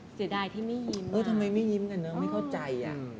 เสียดายที่ไม่ยิ้มเออทำไมไม่ยิ้มกันเนอะไม่เข้าใจอ่ะ